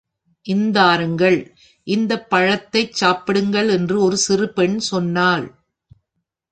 இந்தாருங்கள் இந்தப் பழங்களைச் சாப்பிடுங்கள் என்று ஒரு சிறு பெண் சொன்னாள்.